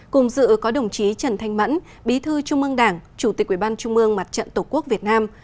cùng dự có đồng chí trần thanh mẫn bí thư trung ương đảng chủ tịch ubnd mặt trận tổ quốc việt nam